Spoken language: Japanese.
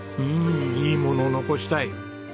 んいいものを残したい。